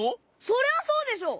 そりゃそうでしょ？